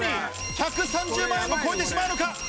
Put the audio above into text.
１３０万円も超えてしまうのか？